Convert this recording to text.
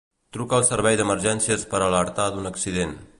Truca al Servei d'Emergències per alertar d'un accident.